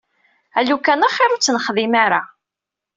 Alukan axiṛ ur tt-nexdim ara.